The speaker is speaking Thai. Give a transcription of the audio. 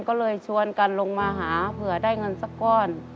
ก็เลยชวนกันลงมาหาเผื่อได้เงินสักก้อน